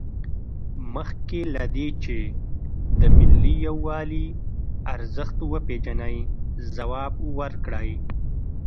مخکې له دې چې د ملي یووالي ارزښت وپیژنئ ځواب ورکړئ.